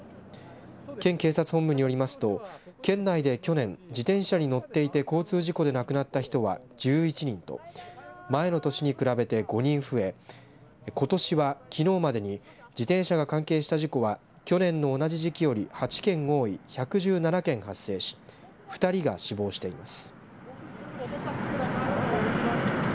県警察本部によりますと県内で去年自転車に乗っていて交通事故で亡くなった人は１１人と前の年に比べて５人増えことしは、きのうまでに自転車が関係した事故は去年の同じ時期より８件多い１１７件発生し２人が死亡しています。